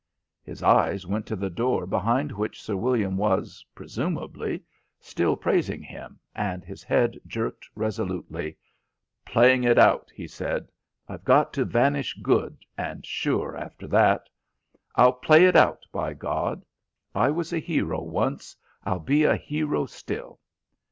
His eyes went to the door behind which Sir William was, presumably, still praising him, and his head jerked resolutely. "Playing it out," he said. "I've got to vanish good, and sure after that. I'll play it out, by God. I was a hero once, I'll be a hero still."